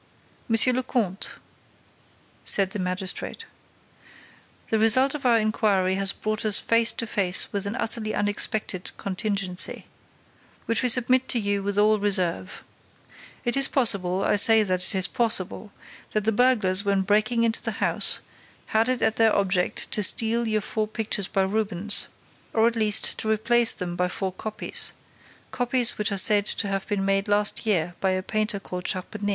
"Monsieur le Comte," said the magistrate, "the result of our inquiry has brought us face to face with an utterly unexpected contingency, which we submit to you with all reserve. It is possible—I say that it is possible—that the burglars, when breaking into the house, had it as their object to steal your four pictures by Rubens—or, at least, to replace them by four copies—copies which are said to have been made last year by a painter called Charpenais.